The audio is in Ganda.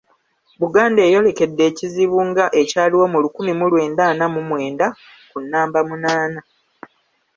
Buganda eyolekedde ekizibu nga ekyaliwo mu lukumi mu lwenda ana mu mwenda ku naamba munaana!